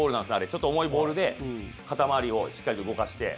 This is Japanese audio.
ちょっと重いボールで肩回りをしっかりと動かして。